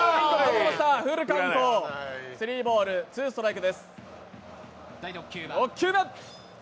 フルカウント、スリーボールツーストライクです。